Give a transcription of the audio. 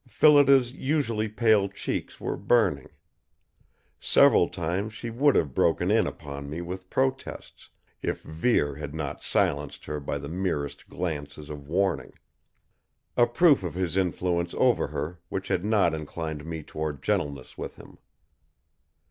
Phillida's usually pale cheeks were burning. Several times she would have broken in upon me with protests, if Vere had not silenced her by the merest glances of warning. A proof of his influence over her which had not inclined me toward gentleness with him!